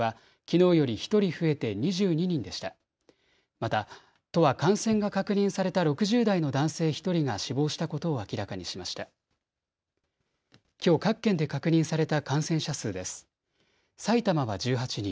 また、都は感染が確認された６０代の男性１人が死亡したことを明らかにしました。